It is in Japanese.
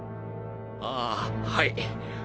ああはいっ。